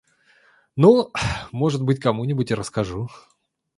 Ну, может быть кому-нибудь и расскажу.